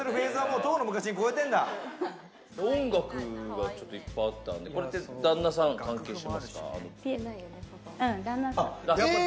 音楽がちょっといっぱいあったんで、旦那さんは関係してますか？